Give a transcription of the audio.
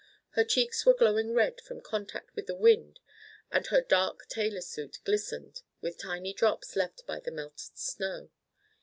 Her cheeks were glowing red from contact with the wind and her dark tailor suit glistened with tiny drops left by the melted snow.